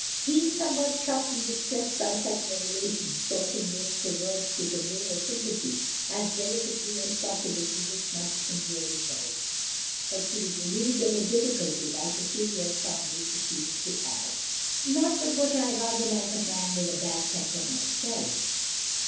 " Jeanne, somewhat shocked and distressed by such revelations, sought in vain for words to con vey her sympathy as delicately as possible to this much enduring wife; but she was relieved of her difficulty by Cecilia's calmly proceeding to add: " Not but what I rather like a man with a bad temper, myself.